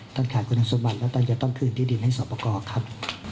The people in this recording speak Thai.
ท่านขายคุณทางสมบัติแล้วต้องคืนที่ดินให้สอบประกอบครับ